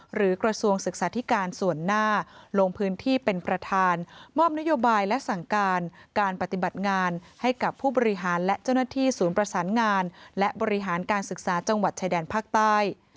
กระทรวงศึกษาธิการส่วนหน้าลงพื้นที่เป็นประธานมอบนโยบายและสั่งการการปฏิบัติงานให้กับผู้บริหารและเจ้าหน้าที่ศูนย์ประสานงานและบริหารการศึกษาจังหวัดชายแดนภาคใต้